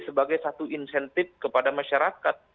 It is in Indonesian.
sebagai satu insentif kepada masyarakat